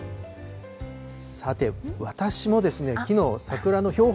さて、私もきのう、桜の標本